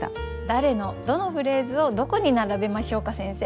誰のどのフレーズをどこに並べましょうか先生。